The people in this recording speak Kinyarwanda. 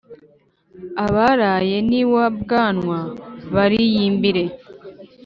abaraye n'iwa bwanwa bariyimbire.